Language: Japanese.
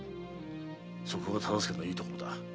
そこが忠相のいいところだ。